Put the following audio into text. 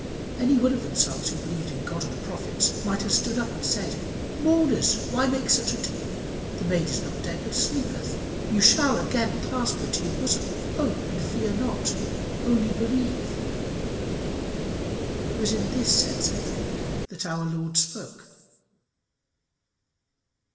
Any one of themselves who believed in God and the prophets, might have stood up and said "Mourners, why make such ado? The maid is not dead, but sleepeth. You shall again clasp her to your bosom. Hope, and fear not only believe." It was in this sense, I think, that our Lord spoke.